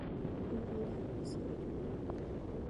Yvyra isa'yju.